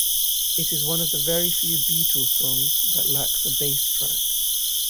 It is one of very few Beatles songs that lacks a bass track.